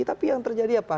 tapi yang terjadi apa